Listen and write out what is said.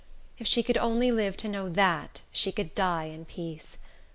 If she could only live to know that she could die in peace.